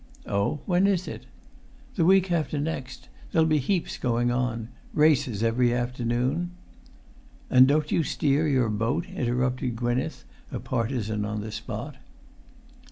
"Oh? When is it?" "The week after next. There'll be heaps going on. Races every afternoon——" "And don't you steer your boat?" interrupted Gwynneth, a partisan on the spot.